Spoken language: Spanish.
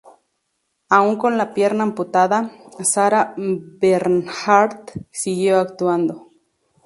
Aun con la pierna amputada, Sarah Bernhardt siguió actuando.